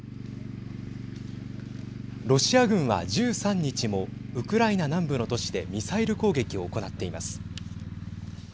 ロシア軍は１３日もウクライナ南部の都市でミサイル攻撃を行っています。